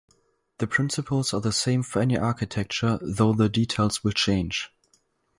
The principles are the same for any architecture, though the details will change.